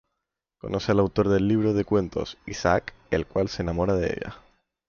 Conoce al autor del libro de cuentos, Isaac, el cual se enamora de ella.